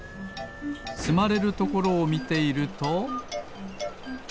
つまれるところをみていると。